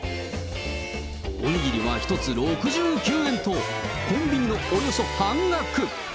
お握りは１つ６９円と、コンビニのおよそ半額。